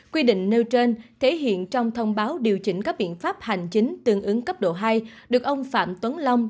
quy định nêu trên thể hiện trong thông báo điều chỉnh các biện pháp hành chính tương ứng cấp độ hai được ông phạm tuấn long